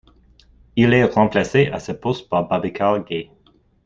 Il est remplacé à ce poste par Babacar Gaye.